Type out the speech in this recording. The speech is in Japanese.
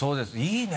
いいね！